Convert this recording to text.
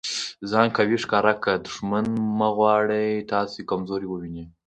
ځان قوي ښکاره که! دوښمن مو غواړي تاسي کمزوری وویني.